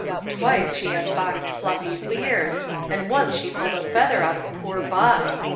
Twice she has boxed Fluf fie's ears, and once she pulled a feather out of poor Buff.